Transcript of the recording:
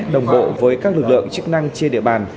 đồng bộ với các lực lượng chức năng trên địa bàn